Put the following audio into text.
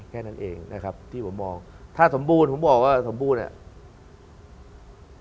แค่นั้นเองนะครับที่ผมมองถ้าสมบูรณ์ผมบอกว่าสมบูรณ์อ่ะ